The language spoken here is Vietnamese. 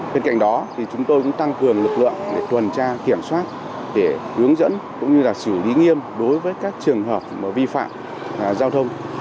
bên cạnh đó chúng tôi cũng tăng cường lực lượng để tuần tra kiểm soát để hướng dẫn cũng như xử lý nghiêm đối với các trường hợp vi phạm giao thông